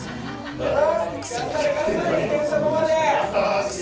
頑張れ、頑張れ行けるところまで！